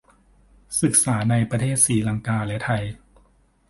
ศึกษาในประเทศศรีลังกาและไทย